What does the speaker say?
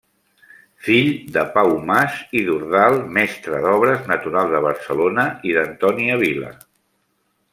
Fill de Pau Mas i Dordal mestre d'obres natural de Barcelona i d'Antònia Vila.